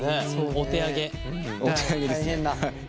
お手上げですね。